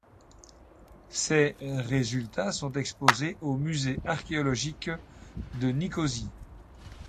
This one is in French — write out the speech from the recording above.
Ces résultats sont exposés au Musée archéologique de Nicosie.